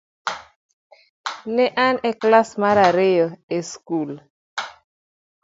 Ne an e klas mar ariyo e skul.